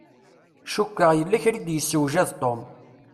Cukkeɣ yella kra i d-yessewjad Tom.